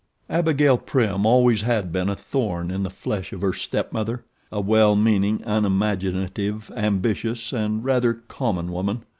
Abigail Prim always had been a thorn in the flesh of her stepmother a well meaning, unimaginative, ambitious, and rather common woman.